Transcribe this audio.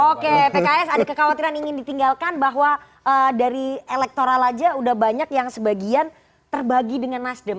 oke pks ada kekhawatiran ingin ditinggalkan bahwa dari elektoral aja udah banyak yang sebagian terbagi dengan nasdem